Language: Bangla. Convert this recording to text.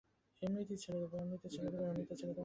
এমনিতেই ছেড়ে দেবে।